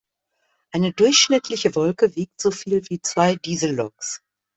Eine durchschnittliche Wolke wiegt so viel wie zwei Dieselloks.